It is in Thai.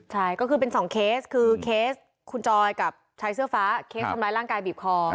ใช่ก็คือเป็น๒เคสคือเคสคุณจอยกับชายเสื้อฟ้าเคสทำร้ายร่างกายบีบคอ